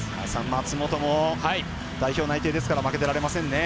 松元も代表内定ですから負けてられませんね。